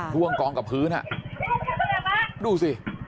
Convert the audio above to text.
ล่วงกองกับพื้นดูสิ